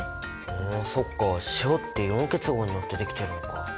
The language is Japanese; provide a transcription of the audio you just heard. そっか塩ってイオン結合によってできてるのか。